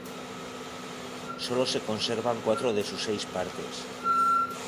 Solo se conservan cuatro de sus seis partes.